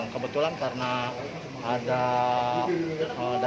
kebetulan karena ada dari media